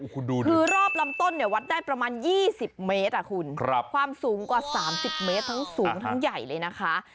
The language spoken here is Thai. คือรอบลำต้นเนี่ยวัดได้ประมาณ๒๐เมตรคุณความสูงกว่า๓๐เมตรทั้งสูงทั้งใหญ่เลยนะคะ